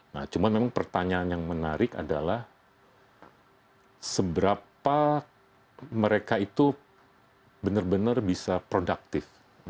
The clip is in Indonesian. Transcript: nah cuma memang pertanyaan yang menarik adalah seberapa mereka itu benar benar bisa produktif